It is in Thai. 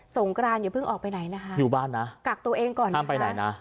สงกรานอย่าพึ่งออกไปไหนนะคะห้ามไปไหนนะอยู่บ้านนะ